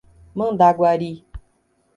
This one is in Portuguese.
Mandaguari